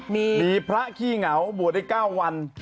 มีพระขี้เหงาบวชได้๙วัน